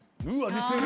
似てる！